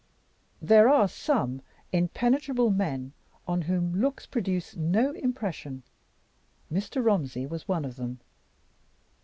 There are some impenetrable men on whom looks produce no impression. Mr. Romsey was one of them.